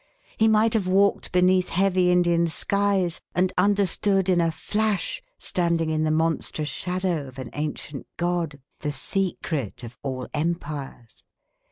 He might have walked beneath heavy Indian skies and understood in a flash, standing in the mon strous shadow of an ancient god, the secret of all 79 So PHILANTHROPISTS Empires.